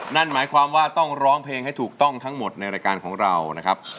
นั่นหมายความว่าต้องร้องเพลงให้ถูกต้องทั้งหมดในรายการของเรานะครับ